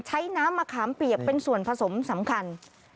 น้ำมะขามเปียกเป็นส่วนผสมสำคัญ